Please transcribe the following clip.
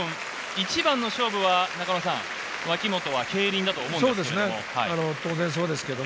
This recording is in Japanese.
一番の勝負は、脇本は競輪だと思うんですけれど。